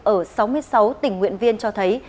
ở sáu mươi sáu tình nguyện viên cho thấy